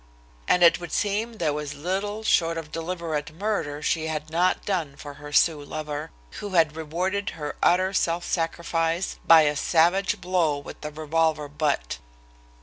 And it would seem there was little short of deliberate murder she had not done for her Sioux lover, who had rewarded her utter self sacrifice by a savage blow with a revolver butt.